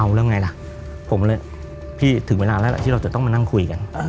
เอาแล้วไงล่ะผมเลยพี่ถึงเวลาแล้วที่เราจะต้องมานั่งคุยกัน